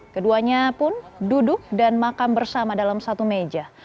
keduanya pun duduk dan makan bersama dalam satu meja